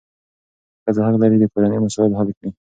ښځه حق لري چې د کورنۍ مسایل حل کړي.